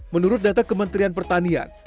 menurut data kementerian pertanian